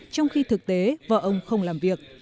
trong khi thực tế vợ ông không làm việc